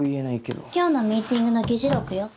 今日のミーティングの議事録よ。